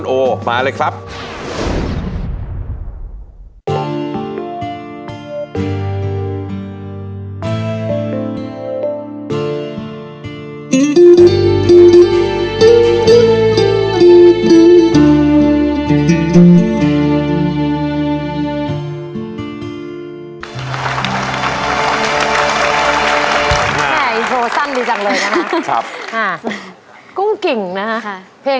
นี่คือเรื่องของการงานแบบนี้เลยนะครับกูก้วงกุ้งกุ้งกูกุ้งมากอย่างน้อยครับเนี่ย